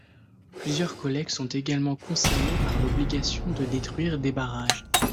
Plusieurs collègues sont également concernés par l’obligation de détruire des barrages.